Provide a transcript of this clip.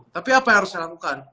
tapi apa yang harus saya lakukan